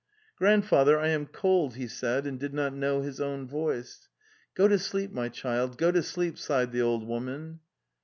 "Grandfather, I am cold," heesaid, and did not know his own voice. 'Go to sleep, my child, go to sleep," sighed the old woman.